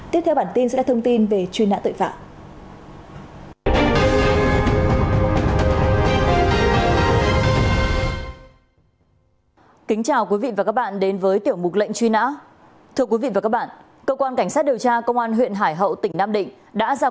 tiếp theo bản tin sẽ là thông tin về truy nã tội phạm